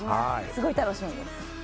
すごい楽しみです。